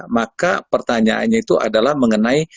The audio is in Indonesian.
maka pertanyaannya itu adalah mengenai